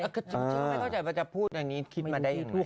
ไม่เข้าใจว่าจะพูดอย่างนี้คิดมาได้ยังไง